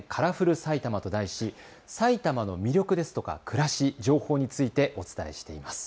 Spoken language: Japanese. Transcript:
埼玉と題し埼玉の魅力ですとか暮らし、情報についてお伝えしています。